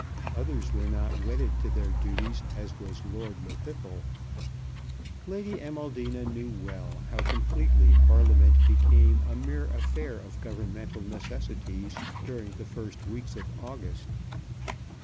Others were not wedded to their duties as was Lord Llwddythlw. Lady Amaldina knew well how completely Parliament became a mere affair of Governmental necessities during the first weeks of August.